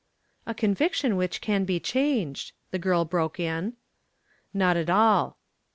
"A conviction which can be changed," the girl broke in. "Not at all."